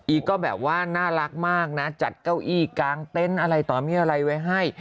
็แบบว่าน่ารักมากนะจัดเก้าอี้กางเต็นต์อะไรต่อมีอะไรไว้ให้